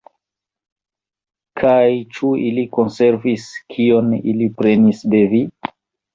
Kaj ĉu ili konservis, kion ili prenis de vi?